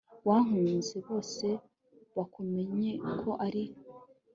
wankunze, bose bakumenye ko ari